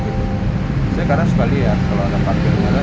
saya kadang suka liar kalau ada parkir liarnya